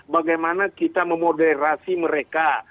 bagaimana kita memoderasi mereka